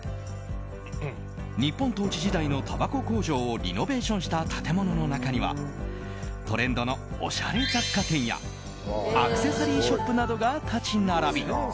日本統治時代のたばこ工場をリノベーションした建物の中にはトレンドのおしゃれ雑貨店やアクセサリーショップなどが立ち並び